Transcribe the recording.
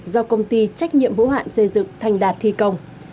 do công ty trách nhiệm hữu hạn xây dựng thành đạt thi công